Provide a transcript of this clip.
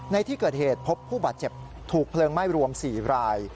ในที่เกิดเหตุพบผู้บาดเจ็บถูกเพลิงไหม้รวม๔ราย